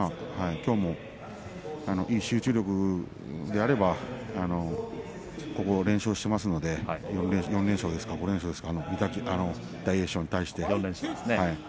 きょうもいい集中力であればここ連勝していますので４連勝ですか、５連勝ですか４連勝ですね。